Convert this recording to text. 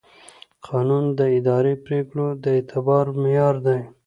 قانون د اداري پرېکړو د اعتبار معیار دی.